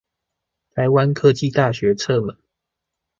臺灣科技大學側門